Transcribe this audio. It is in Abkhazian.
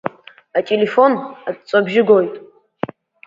Ателефон аҵәҵәабжьы гоит.